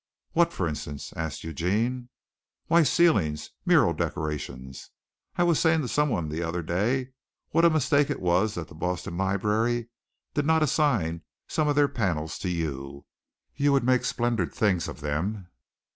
"What, for instance?" asked Eugene. "Why, ceilings, mural decorations. I was saying to someone the other day what a mistake it was the Boston Library did not assign some of their panels to you. You would make splendid things of them."